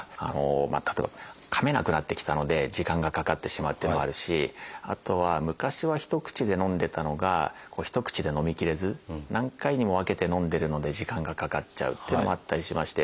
例えばかめなくなってきたので時間がかかってしまうっていうのもあるしあとは昔は一口でのんでたのが一口でのみきれず何回にも分けてのんでるので時間がかかっちゃうっていうのもあったりしまして。